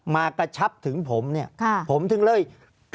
ภารกิจสรรค์ภารกิจสรรค์